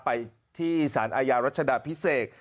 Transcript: ไปที่สารอาญารัชดาพิเศษ